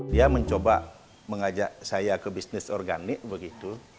dia mencoba mengajak saya ke bisnis organik begitu